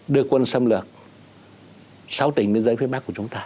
đưa quân xâm lược sau tỉnh biên giới phía bắc của chúng ta